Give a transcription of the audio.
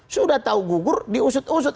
sudah tahu gugur diusut usut